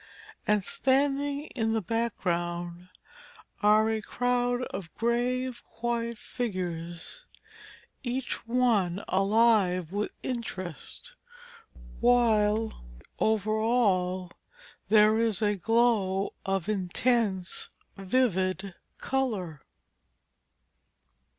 And standing in the background are a crowd of grave, quiet figures, each one alive with interest, while over all there is a glow of intense vivid colour.